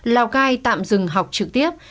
lào cai tạm dừng học trực tiếp